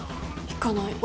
行かないよ！